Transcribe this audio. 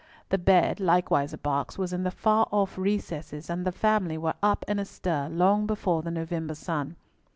The bed, likewise a box, was in the far off recesses, and the family were up and astir long before the November sun.